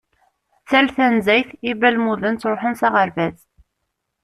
Tal tanezzayt, ibalmuden ttruḥun s aɣerbaz.